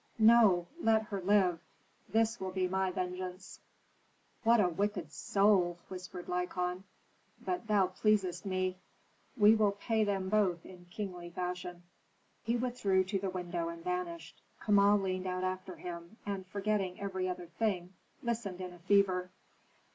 "No! Let her live. This will be my vengeance." "What a wicked soul!" whispered Lykon. "But thou pleasest me. We will pay them both in kingly fashion." He withdrew to the window and vanished. Kama leaned out after him, and forgetting every other thing, listened in a fever.